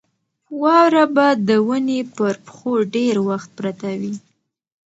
واوره به د ونې پر پښو ډېر وخت پرته وي.